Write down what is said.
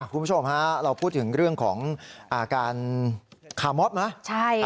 คุณผู้ชมฮะเราพูดถึงเรื่องของอาการคามอดมะใช่ค่ะ